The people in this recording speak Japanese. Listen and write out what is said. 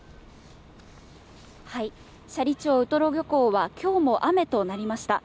斜里町ウトロ漁港は今日も雨となりました。